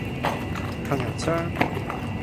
杏仁霜